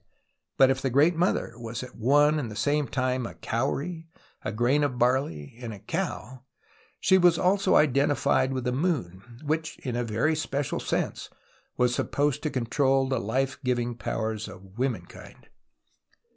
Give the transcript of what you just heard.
But if the Great ^Mother was at one and the same time a cowrie, a grain of barley, and a cow, she was also identified Vv'ith the moon, which in a very special sense was supposed to control the life giving powers of womenkind.